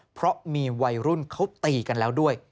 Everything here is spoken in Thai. เพราะมีวัยรุ่นเขาตีกันแล้วด้วย